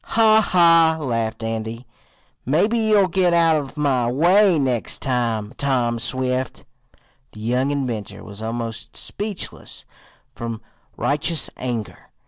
"Ha! ha!" laughed Andy. "Maybe you'll get out of my way next time, Tom Swift." The young inventor was almost speechless from righteous anger.